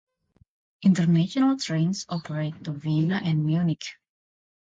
International trains operate to Vienna and Munich.